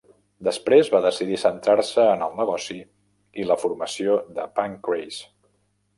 Després va decidir centrar-se en el negoci i la formació de Pancrase.